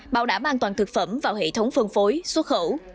bảo đảm an toàn thực phẩm vào hệ thống phân phối xuất khẩu